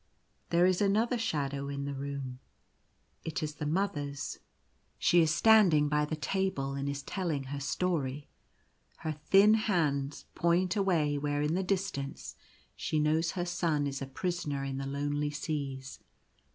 There is another shadow in the room ; it is the Mother's — she is 96 The Sailing of the Ship. standing by the table, and is telling her story; her thin hands point away where in the distance she knows her Son is a prisoner in the lonely seas.